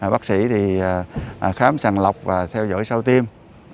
bác sĩ thì khám sàng lọc và theo dõi sau tiêm